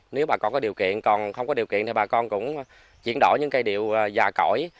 nếu bà con có điều kiện còn không có điều kiện thì bà con cũng chuyển đổi những cây điệu già cỗi